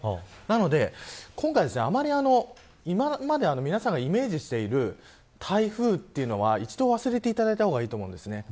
なので、今回は今まで皆さんがイメージしている台風というのは一度忘れた方がいいと思います。